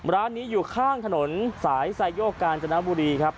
ร้านนี้อยู่ข้างถนนสายไซโยกกาญจนบุรีครับ